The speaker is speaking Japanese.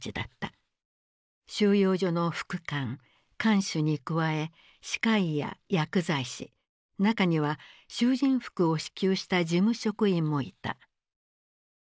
収容所の副官看守に加え歯科医や薬剤師中には囚人服を支給した事務職員もいた。